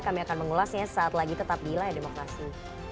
kami akan mengulasnya saat lagi tetap di layar demokrasi